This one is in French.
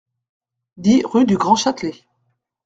dix rue du Grand Châtelet